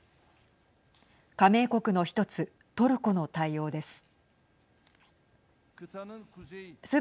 加盟国の１つトルコの対応です。